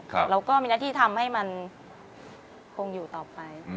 เราก็มีหน้าที่ทำให้มันคงอยู่ต่อไป